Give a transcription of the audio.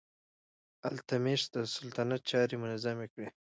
التتمش د سلطنت چارې منظمې کړې.